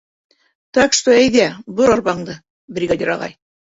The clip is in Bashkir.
Так что, әйҙә, бор арбаңды, бригадир ағай.